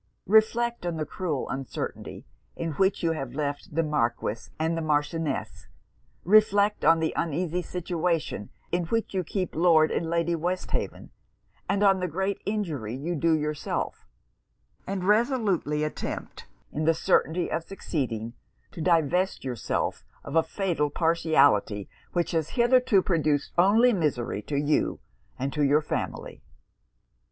Reflect on the cruel uncertainty in which you have left the Marquis and the Marchioness; reflect on the uneasy situation in which you keep Lord and Lady Westhaven, and on the great injury you do yourself; and resolutely attempt, in the certainty of succeeding, to divest yourself of a fatal partiality, which has hitherto produced only misery to you and to your family.'